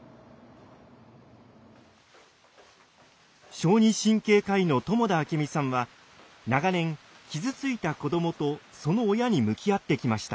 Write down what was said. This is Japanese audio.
小児神経科医の友田明美さんは長年傷ついた子どもとその親に向き合ってきました。